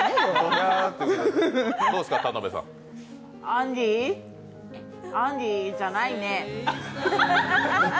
あんりあんりじゃないね。